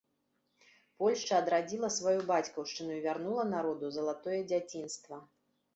Польшча адрадзіла сваю бацькаўшчыну і вярнула народу залатое дзяцінства.